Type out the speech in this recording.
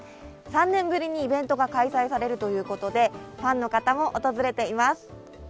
３年ぶりにイベントが開催されるということで、ファンの方も訪れています。